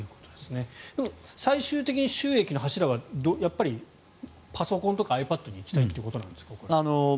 でも、最終的に収益の柱はやっぱりパソコンとかｉＰａｄに行きたいということなんですか？